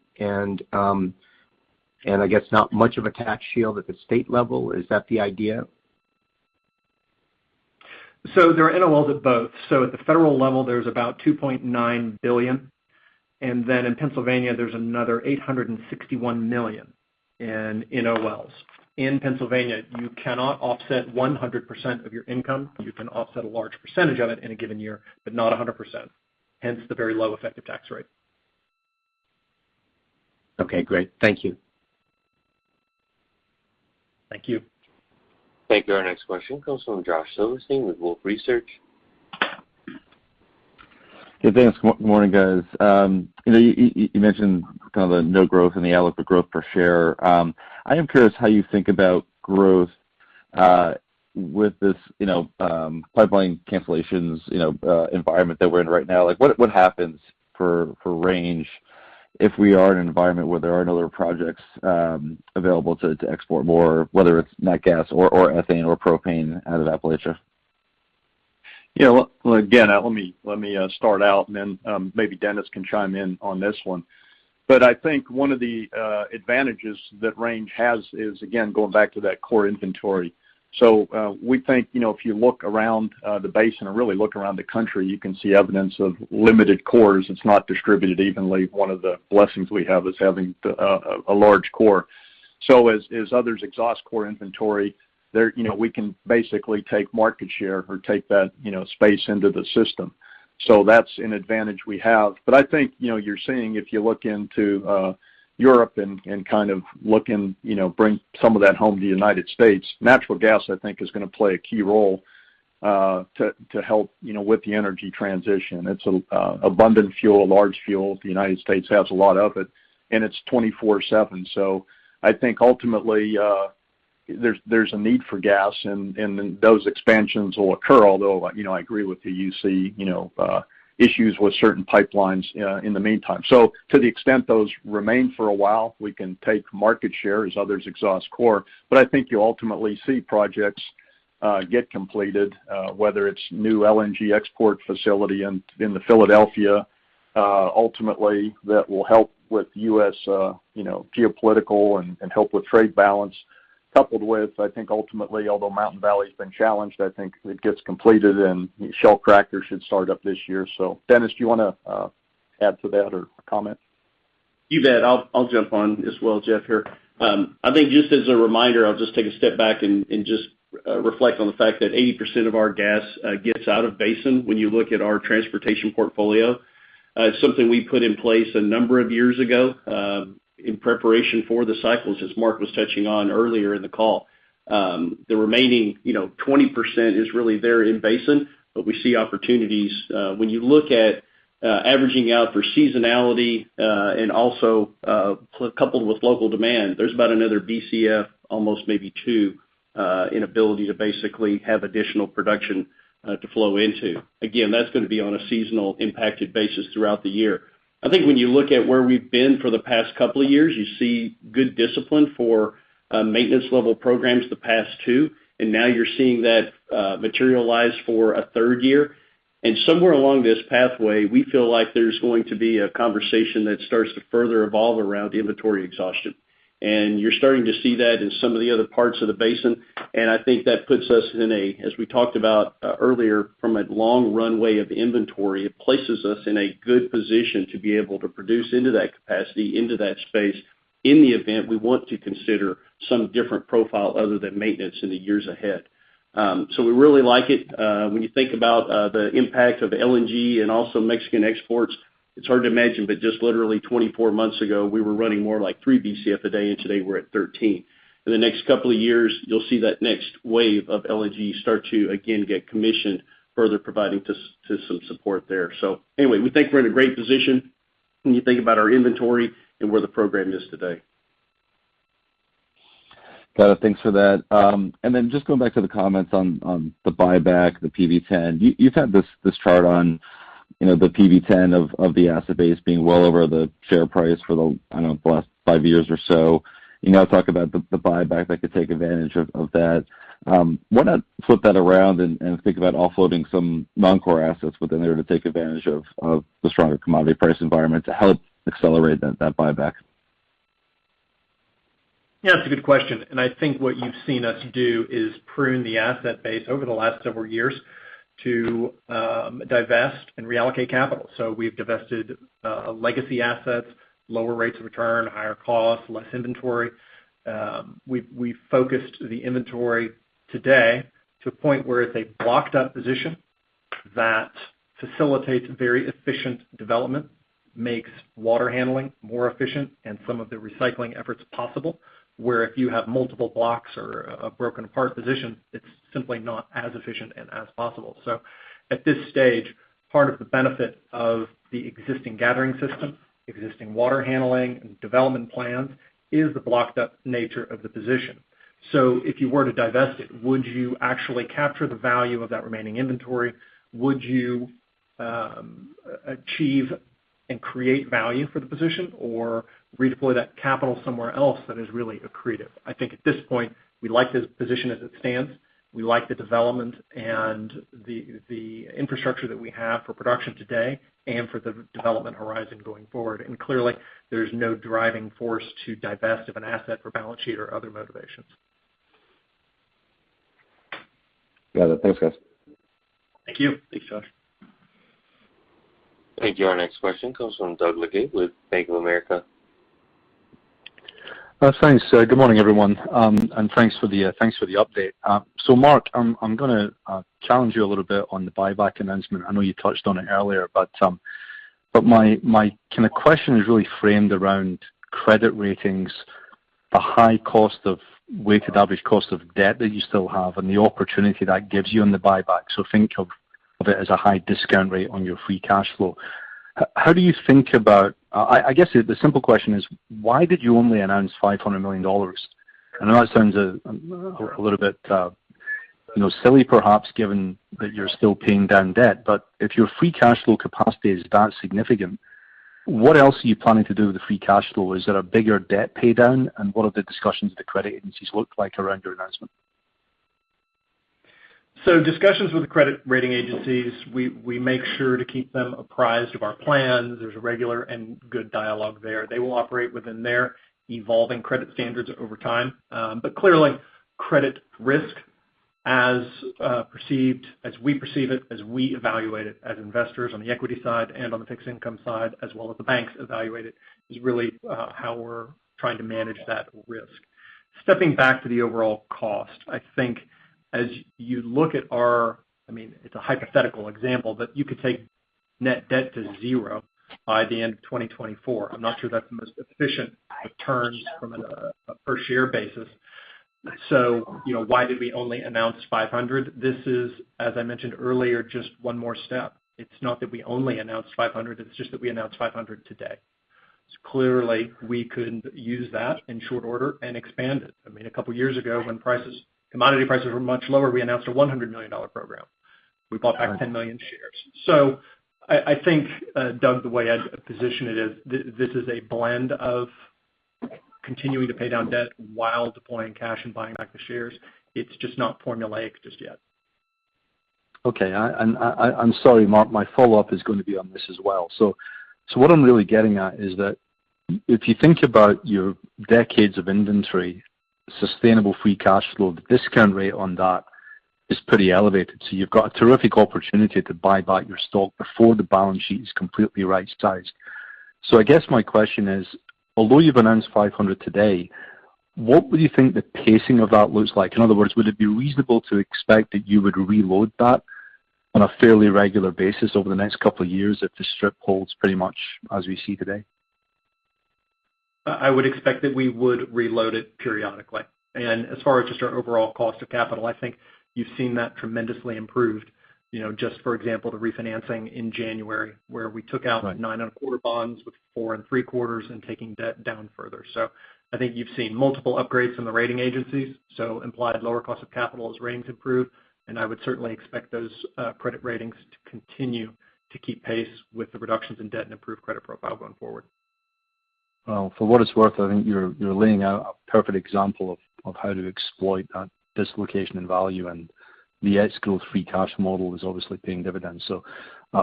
I guess not much of a tax shield at the state level, is that the idea? There are NOLs at both. At the federal level, there's about $2.9 billion, and then in Pennsylvania, there's another $861 million in NOLs. In Pennsylvania, you cannot offset 100% of your income. You can offset a large percentage of it in a given year, but not 100%, hence the very low effective tax rate. Okay, great. Thank you. Thank you. Thank you. Our next question comes from Joshua Silverstein with Wolfe Research. Good, thanks. Morning, guys. You mentioned kind of the no growth in the outlook, but growth per share. I am curious how you think about growth, with this, pipeline cancellations, environment that we're in right now. Like, what happens for Range if we are in an environment where there aren't other projects, available to export more, whether it's nat gas or ethane or propane out of Appalachia? Yeah. Well, again, let me start out and then maybe Dennis can chime in on this one. I think one of the advantages that Range has is, again, going back to that core inventory. We think, you know, if you look around the basin or really look around the country, you can see evidence of limited cores. It's not distributed evenly. One of the blessings we have is having a large core. As others exhaust core inventory there, you know, we can basically take market share or take that, you know, space into the system. That's an advantage we have. I think, you know, you're seeing if you look into Europe and kind of look and, you know, bring some of that home to the United States, natural gas, I think, is gonna play a key role to help, you know, with the energy transition. It's abundant fuel, a large fuel. The United States has a lot of it, and it's 24/7. I think ultimately, there's a need for gas, and those expansions will occur, although, you know, I agree with you see, you know, issues with certain pipelines in the meantime. To the extent those remain for a while, we can take market share as others exhaust core. I think you'll ultimately see projects get completed whether it's new LNG export facility in Philadelphia ultimately that will help with US you know geopolitical and help with trade balance. Coupled with, I think ultimately, although Mountain Valley's been challenged, I think it gets completed and Shell cracker should start up this year. Dennis, do you wanna add to that or comment? You bet. I'll jump on as well, Jeff, here. I think just as a reminder, I'll just take a step back and just reflect on the fact that 80% of our gas gets out of basin when you look at our transportation portfolio. Something we put in place a number of years ago in preparation for the cycles, as Mark was touching on earlier in the call. The remaining, you know, 20% is really there in basin, but we see opportunities. When you look at averaging out for seasonality and also coupled with local demand, there's about another Bcf, almost maybe two, in the ability to basically have additional production to flow into. Again, that's gonna be on a seasonal impacted basis throughout the year. I think when you look at where we've been for the past couple of years, you see good discipline for maintenance level programs the past two, and now you're seeing that materialize for a third year. Somewhere along this pathway, we feel like there's going to be a conversation that starts to further evolve around inventory exhaustion. You're starting to see that in some of the other parts of the basin. I think that puts us in a, as we talked about earlier, from a long runway of inventory, it places us in a good position to be able to produce into that capacity, into that space in the event we want to consider some different profile other than maintenance in the years ahead. So we really like it. When you think about the impact of LNG and also Mexican exports, it's hard to imagine, but just literally 24 months ago, we were running more like 3 BCF a day, and today we're at 13. In the next couple of years, you'll see that next wave of LNG start to again get commissioned, further providing to some support there. Anyway, we think we're in a great position when you think about our inventory and where the program is today. Got it. Thanks for that. Just going back to the comments on the buyback, the PV-10. You've had this chart on, you know, the PV-10 of the asset base being well over the share price for the, I don't know, the last five years or so. You now talk about the buyback that could take advantage of that. Why not flip that around and think about offloading some non-core assets within there to take advantage of the stronger commodity price environment to help accelerate that buyback? Yeah, that's a good question. I think what you've seen us do is prune the asset base over the last several years to divest and reallocate capital. We've divested legacy assets, lower rates of return, higher costs, less inventory. We've focused the inventory today to a point where it's a blocked up position that facilitates very efficient development, makes water handling more efficient and some of the recycling efforts possible. Where if you have multiple blocks or a broken apart position, it's simply not as efficient and as possible. At this stage, part of the benefit of the existing gathering system, existing water handling and development plans is the blocked up nature of the position. If you were to divest it, would you actually capture the value of that remaining inventory? Would you achieve and create value for the position or redeploy that capital somewhere else that is really accretive? I think at this point, we like this position as it stands. We like the development and the infrastructure that we have for production today and for the development horizon going forward. Clearly, there's no driving force to divest of an asset for balance sheet or other motivations. Got it. Thanks, guys. Thank you. Thanks, Josh. Thank you. Our next question comes from Douglas Leggate with Bank of America. Thanks. Good morning, everyone, and thanks for the update. Mark, I'm gonna challenge you a little bit on the buyback announcement. I know you touched on it earlier, but my kinda question is really framed around credit ratings, the high cost weighted average cost of debt that you still have and the opportunity that gives you on the buyback. Think of it as a high discount rate on your free cash flow. How do you think about it. I guess the simple question is, why did you only announce $500 million? I know that sounds a little bit you know, silly perhaps, given that you're still paying down debt. If your free cash flow capacity is that significant. What else are you planning to do with the free cash flow? Is there a bigger debt pay down? What are the discussions with the credit agencies look like around your announcement? Discussions with the credit rating agencies, we make sure to keep them apprised of our plans. There's a regular and good dialogue there. They will operate within their evolving credit standards over time. But clearly, credit risk as perceived as we perceive it, as we evaluate it as investors on the equity side and on the fixed income side, as well as the banks evaluate it, is really how we're trying to manage that risk. Stepping back to the overall cost, I think as you look at our, I mean, it's a hypothetical example, but you could take net debt to zero by the end of 2024. I'm not sure that's the most efficient return from a per share basis. You know, why did we only announce $500? This is, as I mentioned earlier, just one more step. It's not that we only announced 500, it's just that we announced 500 today. Clearly, we could use that in short order and expand it. I mean, a couple of years ago, when prices, commodity prices were much lower, we announced a $100 million program. We bought back 10 million shares. I think, Doug, the way I'd position it is this is a blend of continuing to pay down debt while deploying cash and buying back the shares. It's just not formulaic just yet. Okay. I'm sorry, Mark, my follow-up is gonna be on this as well. What I'm really getting at is that if you think about your decades of inventory, sustainable free cash flow, the discount rate on that is pretty elevated. You've got a terrific opportunity to buy back your stock before the balance sheet is completely right-sized. I guess my question is, although you've announced $500 today, what would you think the pacing of that looks like? In other words, would it be reasonable to expect that you would reload that on a fairly regular basis over the next couple of years if the strip holds pretty much as we see today? I would expect that we would reload it periodically. As far as just our overall cost of capital, I think you've seen that tremendously improved. You know, just for example, the refinancing in January, where we took out 9.25 bonds with 4.75 and taking debt down further. I think you've seen multiple upgrades from the rating agencies, so implied lower cost of capital as ratings improve. I would certainly expect those credit ratings to continue to keep pace with the reductions in debt and improved credit profile going forward. Well, for what it's worth, I think you're laying out a perfect example of how to exploit that dislocation in value. The ex-growth free cash model is obviously paying dividends.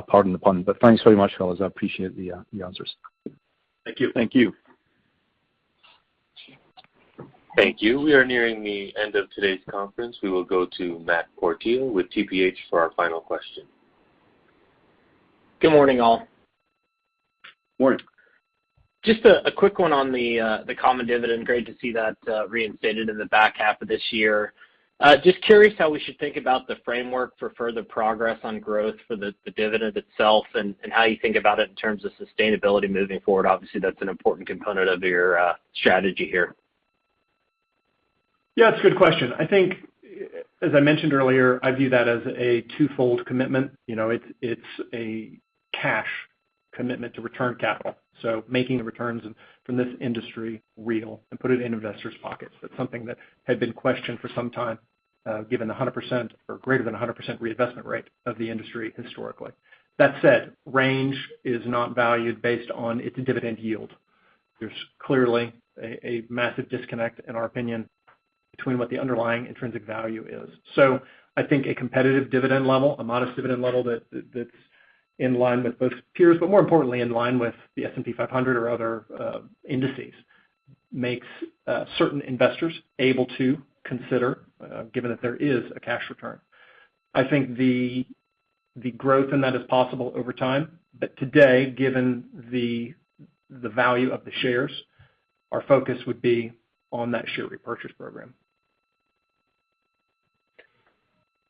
Pardon the pun, but thanks very much, fellas. I appreciate the answers. Thank you. Thank you. Thank you. We are nearing the end of today's conference. We will go to Matt Portillo with TPH for our final question. Good morning, all. Morning. Just a quick one on the common dividend. Great to see that reinstated in the back half of this year. Just curious how we should think about the framework for further progress on growth for the dividend itself and how you think about it in terms of sustainability moving forward. Obviously, that's an important component of your strategy here. Yeah, it's a good question. I think, as I mentioned earlier, I view that as a twofold commitment. You know, it's a cash commitment to return capital, so making the returns from this industry real and put it in investors' pockets. That's something that had been questioned for some time, given 100% or greater than 100% reinvestment rate of the industry historically. That said, Range is not valued based on its dividend yield. There's clearly a massive disconnect in our opinion between what the underlying intrinsic value is. So I think a competitive dividend level, a modest dividend level that's in line with both peers, but more importantly, in line with the S&P 500 or other indices, makes certain investors able to consider given that there is a cash return. I think the growth in that is possible over time. Today, given the value of the shares, our focus would be on that share repurchase program.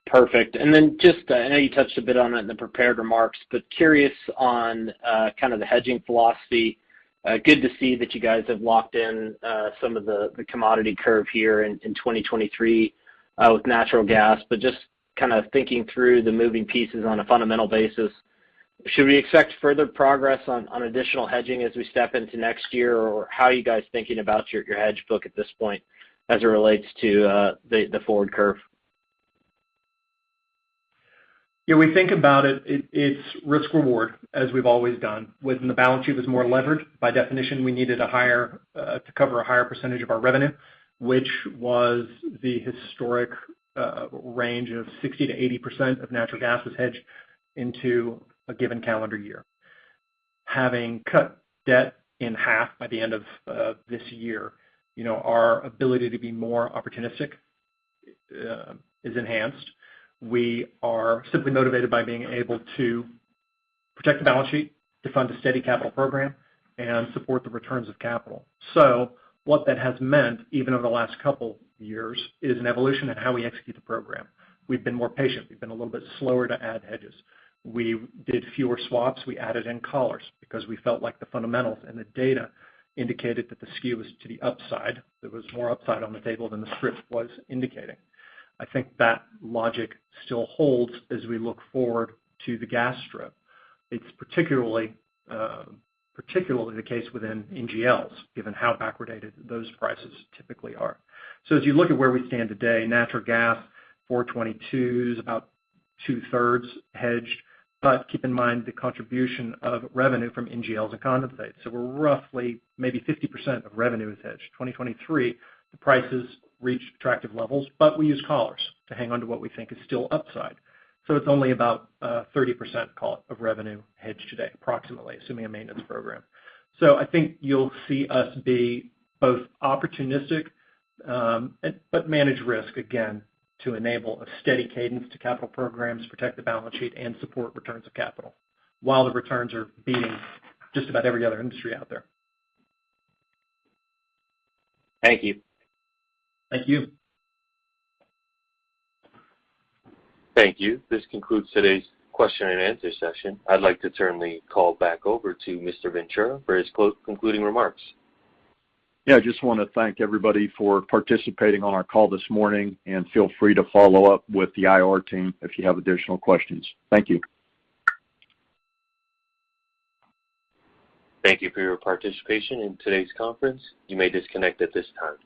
Perfect. Just, I know you touched a bit on it in the prepared remarks, but curious on kind of the hedging philosophy. Good to see that you guys have locked in some of the commodity curve here in 2023 with natural gas. Just kind of thinking through the moving pieces on a fundamental basis, should we expect further progress on additional hedging as we step into next year? Or how are you guys thinking about your hedge book at this point as it relates to the forward curve? Yeah, we think about it's risk reward, as we've always done. When the balance sheet was more levered, by definition, we needed a higher to cover a higher percentage of our revenue, which was the historic range of 60%-80% of natural gas was hedged into a given calendar year. Having cut debt in half by the end of this year, you know, our ability to be more opportunistic is enhanced. We are simply motivated by being able to protect the balance sheet, to fund a steady capital program, and support the returns of capital. What that has meant, even over the last couple years, is an evolution in how we execute the program. We've been more patient. We've been a little bit slower to add hedges. We did fewer swaps. We added in collars because we felt like the fundamentals and the data indicated that the skew was to the upside. There was more upside on the table than the script was indicating. I think that logic still holds as we look forward to the gas strip. It's particularly the case within NGLs, given how backwardated those prices typically are. As you look at where we stand today, natural gas $4.22 is about two-thirds hedged. Keep in mind the contribution of revenue from NGLs and condensates. We're roughly maybe 50% of revenue is hedged. 2023, the prices reach attractive levels, but we use collars to hang on to what we think is still upside. It's only about 30% of revenue hedged today, approximately, assuming a maintenance program. I think you'll see us be both opportunistic, but manage risk, again, to enable a steady cadence to capital programs, protect the balance sheet, and support returns of capital while the returns are beating just about every other industry out there. Thank you. Thank you. Thank you. This concludes today's question and answer session. I'd like to turn the call back over to Mr. Ventura for his closing concluding remarks. Yeah, I just wanna thank everybody for participating on our call this morning, and feel free to follow up with the IR team if you have additional questions. Thank you. Thank you for your participation in today's conference. You may disconnect at this time.